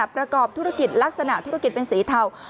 ประกอบธุรกิจลักษณะธุรกิจเป็นสีเทา